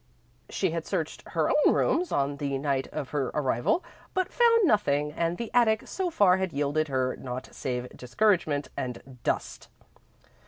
She had searched her own rooms on the night of her arrival, but found nothing, and the attic, so far, had yielded her naught save discouragement and dust.